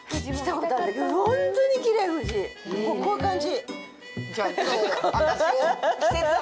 こういう感じ。